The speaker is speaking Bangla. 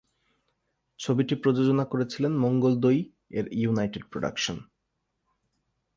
ছবিটি প্রযোজনা করেছিলেন মঙ্গলদৈ-এর ইউনাইটেড প্রোডাকশন।